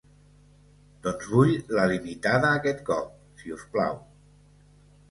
Doncs vull la limitada aquest cop, si us plau.